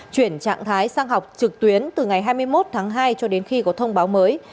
chuyển trạng thái sang học trực tuyến từ ngày hai mươi một tháng hai cho đến khi có thông báo mới